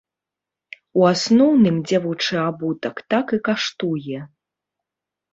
У асноўным дзявочы абутак так і каштуе.